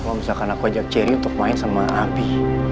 kalau misalkan aku ajak cherry untuk main sama abi